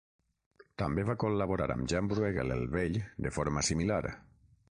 També va col·laborar amb Jan Brueghel el Vell de forma similar.